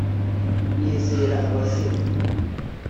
Nizera abazimu